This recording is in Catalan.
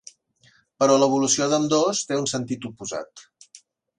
Però l'evolució d'ambdós té un sentit oposat.